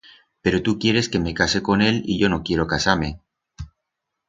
Pero tu quieres que me case con él y yo no quiero casar-me.